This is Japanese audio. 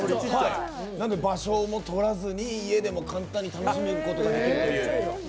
場所もとらずに、家でも簡単に楽しむことができるという。